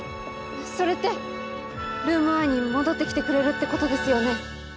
それってルーム１に戻ってきてくれるってことですよね？